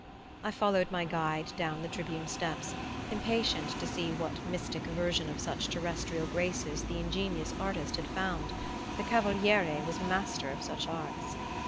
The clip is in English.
I followed my guide down the tribune steps, impatient to see what mystic version of such terrestrial graces the ingenious artist had found the Cavaliere was master of such arts.